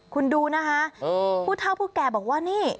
คุณดูนะคะผู้เท่าผู้แก่บอกว่านี่